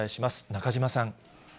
中島さん。